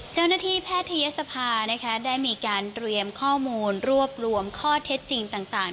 เจ้าหน้าที่แพทยศภานะคะได้มีการเตรียมข้อมูลรวบรวมข้อเท็จจริงต่าง